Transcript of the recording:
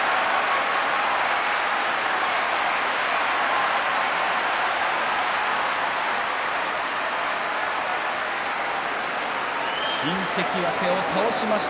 拍手新関脇を倒しました